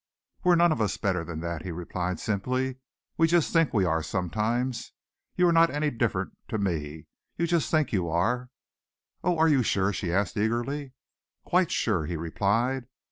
"We're none of us better than that," he replied simply. "We just think we are sometimes. You are not any different to me. You just think you are." "Oh, are you sure?" she asked eagerly. "Quite sure," he replied.